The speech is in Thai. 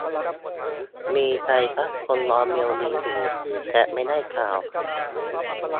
มีใครสักคนรอเมลนี้อยู่ แต่ไม่ได้ข่าว